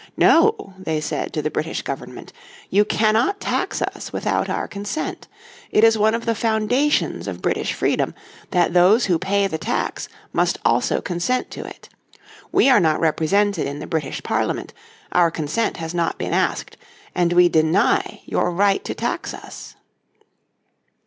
"No," they said to the British Government, "you cannot tax us without our consent. It is one of the foundations of British freedom that those who pay the tax must also consent to it. We are not represented in the British Parliament, our consent has not been asked, and we deny your right to tax us."